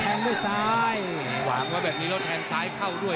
ต้องออกครับอาวุธต้องขยันด้วย